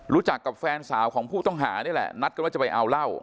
รู้จักกับแฟนสาวของผู้ต้องหานี่แหละนัดกันว่าจะไปเอาเหล้า